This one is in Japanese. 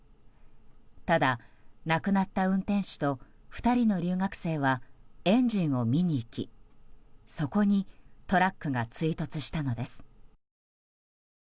ただ、亡くなった運転手と２人の留学生はエンジンを見に行き、そこにトラックが追突したのです。